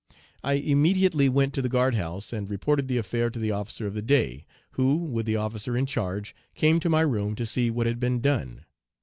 I immediately went to the guard house and reported the affair to the officer of the day, who, with the 'officer in charge,' came to my room to see what had been done.